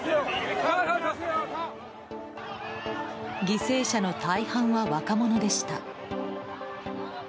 犠牲者の大半は若者でした。